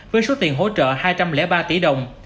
với số tiền hỗ trợ hai trăm linh ba tỷ đồng